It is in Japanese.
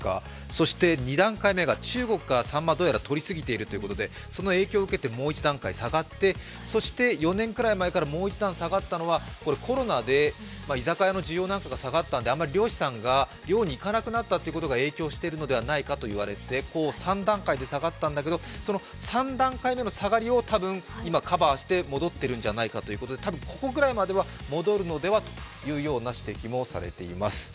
そして２段階目が中国がどうやらさんまを取り過ぎているということで、その影響を受けてもう１段階下がって、そして４年くらい前からもう１段下がったのはコロナで居酒屋の需要が下がったんであまり漁師さんが漁に行かなくなったことが影響しているのではないかと言われて３段階で下がったんだけれどもその３段階目の下がりをたぶん今、カバーして戻っているんじゃないかということで、多分、ここくらいまでは戻るのではというような指摘もされています。